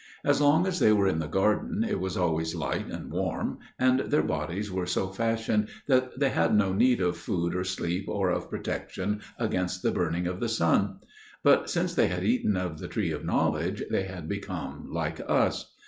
As long as they were in the garden, it was always light and warm, and their bodies were so fashioned that they had no need of food or sleep or of protection against the burning of the sun; but since they had eaten of the Tree of Knowledge, they had become like us.